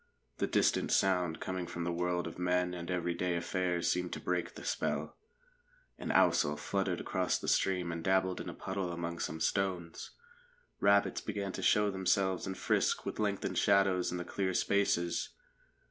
The distant sound, coming from the world of men and every day affairs, seemed to break the spell. An ousel fluttered across the stream and dabbled in a puddle among some stones. Rabbits began to show themselves and frisk with lengthened shadows in the clear spaces.